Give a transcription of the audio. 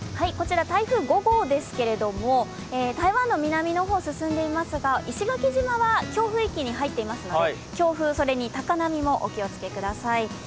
台風５号ですけれども、台湾の南の方進んでいますが、石垣島は強風域に入っているので強風、高波もお気をつけください。